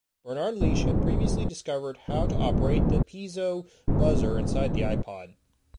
Bernard Leach had previously discovered how to operate the piezo buzzer inside the iPod.